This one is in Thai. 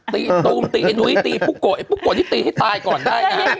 ตีตุ้งตีไอ้หนูให้ตีปุ๊โกะไอ้ปุ๊โกะที่ตีให้ตายก่อนได้